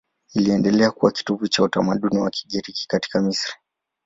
Iliendelea kuwa kitovu cha utamaduni wa Kigiriki katika Misri.